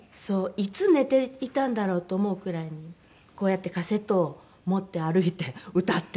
いつ寝ていたんだろうと思うくらいにこうやってカセットを持って歩いて歌って。